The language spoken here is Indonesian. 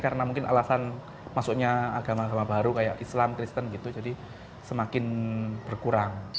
karena mungkin alasan masuknya agama agama baru kayak islam kristen gitu jadi semakin berkurang